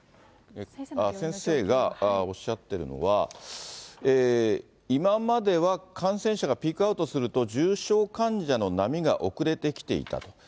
先生がおっしゃっているのは、今までは感染者がピークアウトすると、重症患者の波が遅れてきていたと。